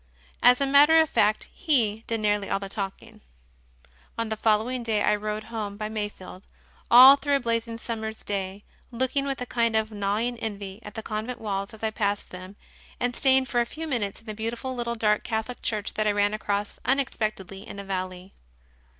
As a matter of fact, he did nearly all the talking. On the following day I rode home by Mayfield, all through a blazing summer s day, looking with a kind of gnawing envy at the convent walls as I passed them, and staying for a few minutes in a beautiful little dark Catholic Church that I ran across unexpectedly in a valley.